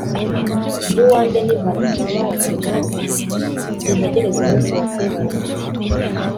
njye uwanjye ni Valentino wa buri munsi sintegereza umunsi wa Saint Valentin”